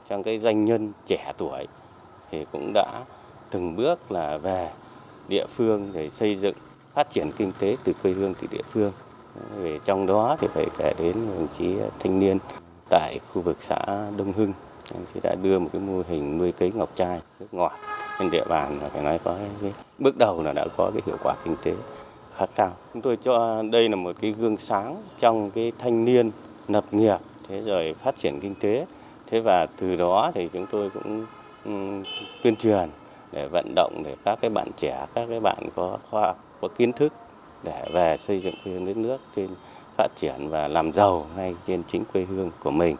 ủy ban nhân dân huyện lục nam đã đến tham quan mô hình nuôi chai nước ngọt lấy ngọc của trương đình tùng